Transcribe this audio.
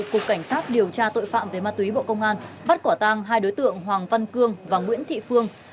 cục cảnh sát điều tra tội phạm về ma túy bộ công an bắt quả tang hai đối tượng hoàng văn cương và nguyễn thị phương